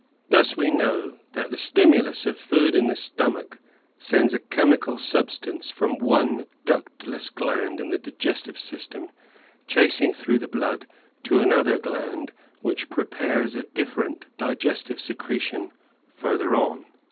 Thus we know that the stimu lus of food in the stomach sends a chemical substance from one ductless gland in the digestive system chasing through the blood to another gland which prepares a different digestive secretion further on.